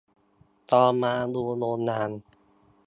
ตอนมาดูโรงงาน